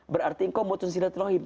berarti engkau memutuskan silaturahmi